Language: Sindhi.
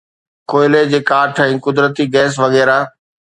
ڪوئلي جي ڪاٺ ۽ قدرتي گئس وغيره